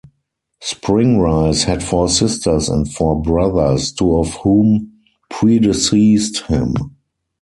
Spring Rice had four sisters and four brothers, two of whom predeceased him.